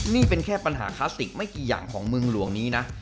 นี่เป็นแค่ปัญหาคลาสสิกไม่กี่อย่างของเมืองหลวงนี้นะ